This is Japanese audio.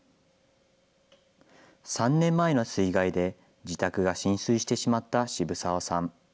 ３年前の水害で自宅が浸水してしまった渋澤さん。